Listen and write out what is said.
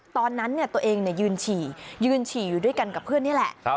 ตอนนั้นตัวเองยืนฉี่ยืนฉี่อยู่ด้วยกันกับเพื่อนนี่แหละ